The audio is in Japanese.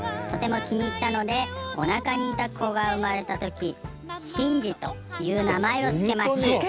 とても気に入ったのでおなかにいた子が生まれた時「しんじ」という名前をつけました。